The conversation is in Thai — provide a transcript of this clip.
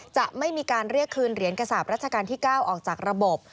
จะไม่มีการเรียกคืนเหรียญกษาปรัชกาลที่๙ออกจากระบบ